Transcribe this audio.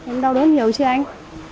em đau đớn nhiều chưa anh